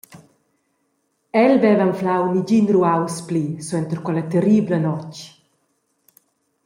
El veva anflau negin ruaus pli suenter quella terribla notg.